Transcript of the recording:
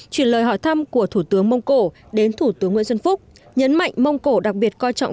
chuyển lời hỏi thăm của thủ tướng mông cổ đến thủ tướng nguyễn xuân phúc nhấn mạnh mông cổ đặc biệt coi trọng